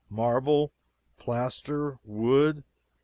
Marble? plaster? wood?